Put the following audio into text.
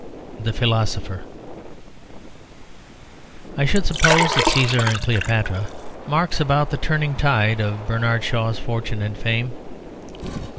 The Philosopher I should suppose that Cæsar and Cleopatra marks about the turning tide of Bernard Shaw's fortune and fame.